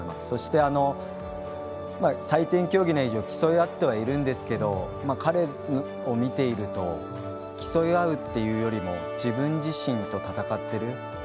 そして、採点競技である以上競い合ってはいるんですけど彼を見ていると競い合うというよりも自分自身と戦っている。